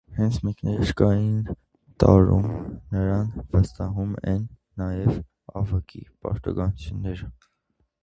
Հենց մեկնարկային տուրում նրան են վստահում նաև ավագի պարտականությունները։